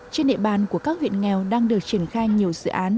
trên địa bàn của các huyện nghèo đang được triển khai nhiều dự án